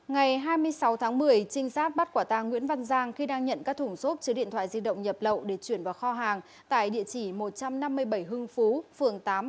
ngày hai mươi sáu tháng một mươi trinh sát bắt quả tàng nguyễn văn giang khi đang nhận các thủng xốp chứa điện thoại di động nhập lậu để chuyển vào kho hàng tại địa chỉ một trăm năm mươi bảy hưng phú phường tám